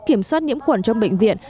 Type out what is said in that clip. kiểm soát nhiễm khuẩn trong bệnh viện